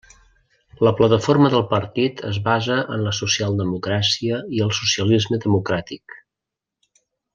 La plataforma del partit es basa en la socialdemocràcia i el socialisme democràtic.